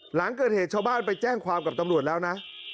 หลังเกิดเหตุชาวบ้านไปแจ้งความกับตำรวจแล้วนะ